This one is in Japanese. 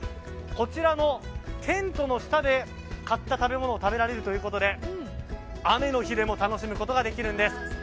こちらのテントの下で買った食べ物を食べられるということで雨の日でも楽しむことができるんです。